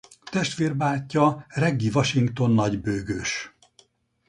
Testvérbátyja Reggie Washington nagybőgős.